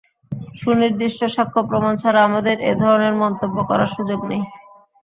সুনির্দিষ্ট সাক্ষ্য প্রমাণ ছাড়া আমাদের এ ধরনের মন্তব্য করার সুযোগ নেই।